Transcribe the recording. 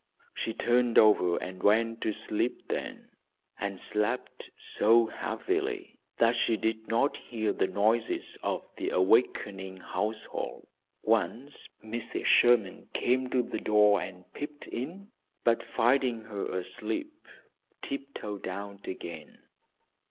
She turned over and went to sleep then, and slept so heavily that she did not hear the noises of the awakening household. Once Mrs. Sherman came to the door and peeped in, but, finding her asleep, tiptoed out again.